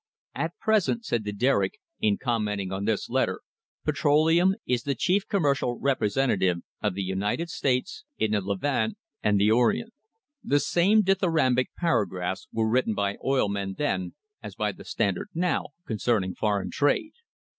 "At present," said the Derrick, in commenting on this letter, "petroleum is the chief commercial representative of the United States in the Levant and the Orient." The same dithyrambic paragraphs were written by oil men then, as by the Standard now, concerning foreign trade.